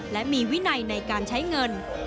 และมีวินัยในการใช้เงิน